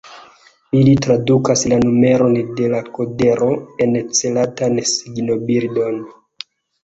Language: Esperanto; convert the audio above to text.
Ili tradukas la numeron de la kodero en celatan signobildon.